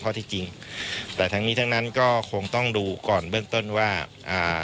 ที่จริงแต่ทั้งนี้ทั้งนั้นก็คงต้องดูก่อนเบื้องต้นว่าอ่า